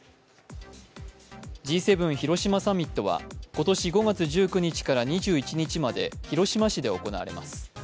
Ｇ７広島サミットは今年５月１９日から２１日まで広島市で行われます。